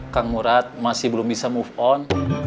kang murad masih belum bisa move on